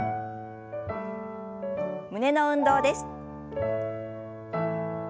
胸の運動です。